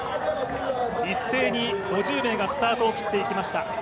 一斉に５０名がスタートを切っていきました。